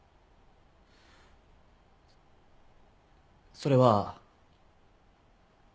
それは。